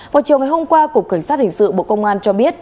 vào chiều ngày hôm qua cục cảnh sát hình sự bộ công an cho biết